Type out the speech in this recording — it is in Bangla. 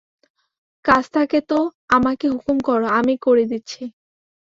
কাজ থাকে তো আমাকে হুকুম করো, আমি করে দিচ্ছি।